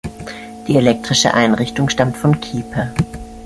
Die elektrische Einrichtung stammt von Kiepe.